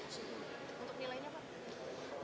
untuk nilainya apa